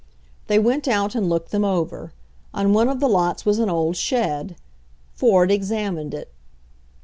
, They went out and looked them over. On one of the lots was an old shed. Ford examined it.